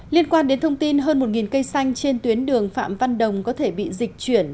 liên quan đến thông tin hơn một cây xanh trên tuyến đường phạm văn đồng có thể bị dịch chuyển